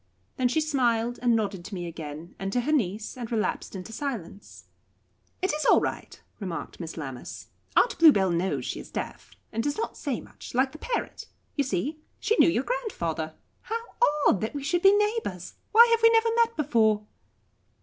Then she smiled and nodded to me again, and to her niece, and relapsed into silence. "It is all right," remarked Miss Lammas. "Aunt Bluebell knows she is deaf, and does not say much, like the parrot. You see, she knew your grandfather. How odd, that we should be neighbours! Why have we never met before?"